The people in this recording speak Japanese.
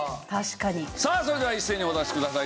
さあそれでは一斉にお出しください。